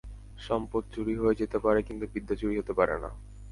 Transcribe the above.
সম্পদ চুরি হয়ে যেতে পারে, কিন্তু বিদ্যা চুরি হতে পারে না।